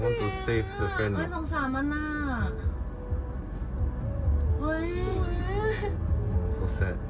ไม่รู้สิมันเรียกอะมันเรียกอ่ะมันเรียก